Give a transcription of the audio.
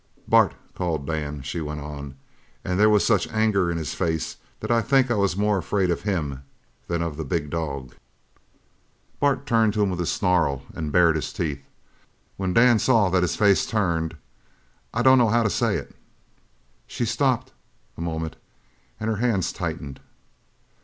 "'Bart,' called Dan," she went on, "and there was such anger in his face that I think I was more afraid of him than of the big dog. "Bart turned to him with a snarl and bared his teeth. When Dan saw that his face turned I don't know how to say it!" She stopped a moment and her hands tightened.